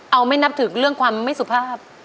เอาไม่นับถึงเรื่องความไม่สุภาพ